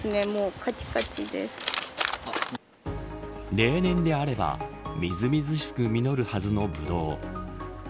例年であればみずみずしく実るはずのブドウ。